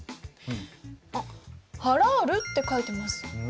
「ハラール」って書いてます。